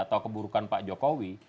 atau keburukan pak jokowi